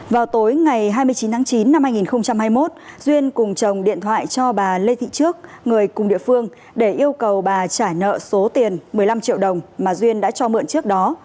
vào tối ngày hai mươi chín tháng chín năm hai nghìn hai mươi một duyên cùng chồng điện thoại cho bà lê thị trước người cùng địa phương để yêu cầu bà trả nợ số tiền một mươi năm triệu đồng mà duyên đã cho mượn trước đó